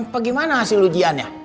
bagaimana hasil ujiannya